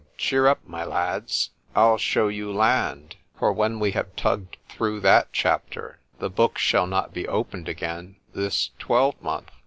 cheer up, my lads; I'll shew you land——for when we have tugged through that chapter, the book shall not be opened again this twelve month.